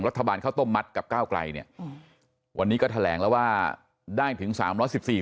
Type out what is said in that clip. รัฐบาลเขาต้นมัดกับก้าวกลัยเนี่ยอืมวันนี้ก็แถลงแล้วว่าได้ถึง๓๑๔เสียง